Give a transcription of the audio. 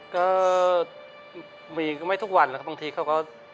ก็มีก็ไม่ทุกวันนะครับ